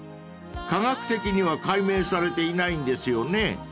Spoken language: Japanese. ［科学的には解明されていないんですよね］